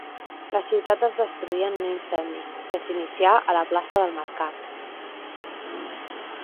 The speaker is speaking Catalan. La ciutat es destruí en un incendi, que s'inicià a la plaça del mercat.